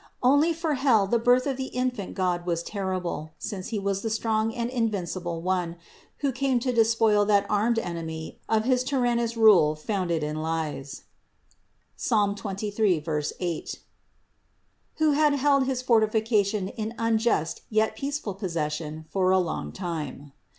Only for hell the birth of the infant God was terrible, since He was the strong and invincible One, who came to despoil that armed enemy of his tyrannous rule, founded in lies (Psalm 23, 8), who had held his fortification in unjust yet peaceful possession for a long time.